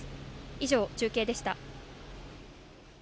以上、中継でした。